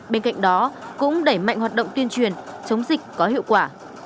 bên cạnh đó cũng đẩy mạnh hoạt động tuyên truyền chống dịch có hiệu quả